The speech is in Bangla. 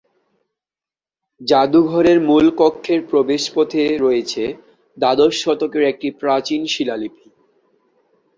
জাদুঘরের মূল কক্ষের প্রবেশ পথে রয়েছে দ্বাদশ শতকের একটি প্রাচীন শিলালিপি।